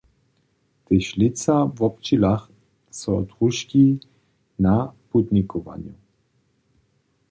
Tež lětsa wobdźěla so družki na putnikowanju.